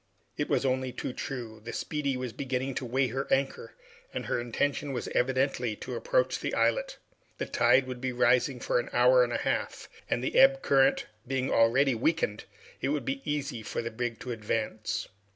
It was only too true. The "Speedy" was beginning to weigh her anchor, and her intention was evidently to approach the islet. The tide would be rising for an hour and a half, and the ebb current being already weakened, it would be easy for the brig to advance.